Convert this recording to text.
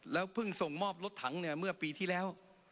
แล้วเพิ่งส่งมอบรถถังเมื่อปีที่แล้ว